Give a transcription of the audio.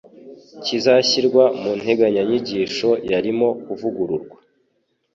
kizashyirwa mu nteganyanyigisho yarimo kuvugururwa,